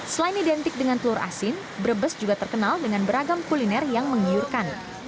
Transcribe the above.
selain identik dengan telur asin brebes juga terkenal dengan beragam kuliner yang menggiurkan